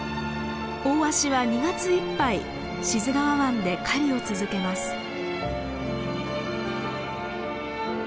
オオワシは２月いっぱい志津川湾で狩りを続けます。